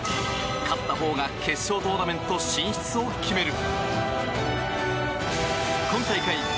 勝ったほうが決勝トーナメント進出を決める。